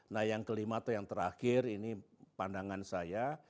nah yang kelima atau yang terakhir ini pandangan saya